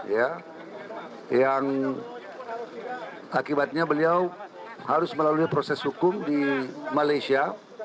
ya yang akibatnya beliau harus melalui proses hukum di malaysia